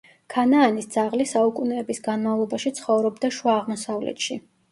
ქანაანის ძაღლი საუკუნეების განმავლობაში ცხოვრობდა შუა აღმოსავლეთში.